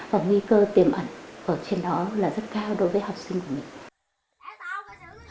và nguy cơ tiềm ẩn ở trên đó là rất cao đối với học sinh của mình